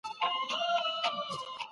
موږ شا ته حساب هم کوو.